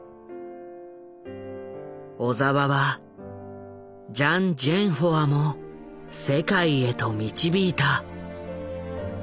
小澤はジャン・ジェンホワも世界へと導いた。